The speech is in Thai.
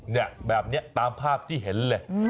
เนี่ยแบบนี้ตามภาพที่เห็นเลย